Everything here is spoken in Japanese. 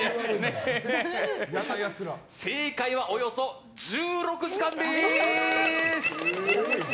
正解は、およそ１６時間です！